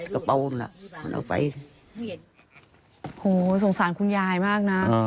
กระเป๋ามันแหละมันเอาไปโอ้โฮสงสารคุณยายมากน่ะอ่า